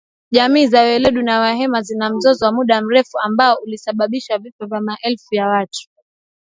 Jamii za walendu na wahema zina mzozo wa muda mrefu ambao ulisababisha vifo vya maelfu ya watu